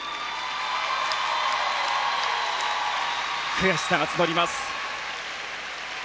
悔しさが募ります。